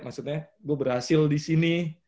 maksudnya gue berhasil di sini